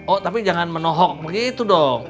oh tapi jangan menohok begitu dong